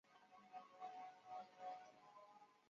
县名指的是位于原来属于本县的温泉城的温泉。